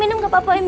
iduk duk makasih ya